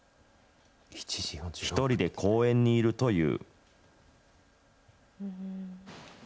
１人で公園にいるという。